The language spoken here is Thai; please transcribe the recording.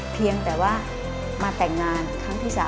เพียงแต่ว่ามาแต่งงานครั้งที่๓